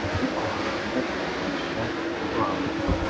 ariko hanze akigisha urwango.